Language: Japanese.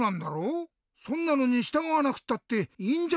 そんなのにしたがわなくたっていいんじゃないの？